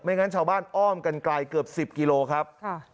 งั้นชาวบ้านอ้อมกันไกลเกือบ๑๐กิโลครับ